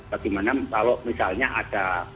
bagaimana kalau misalnya ada